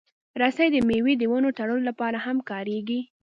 رسۍ د مېوې د ونو تړلو لپاره هم کارېږي.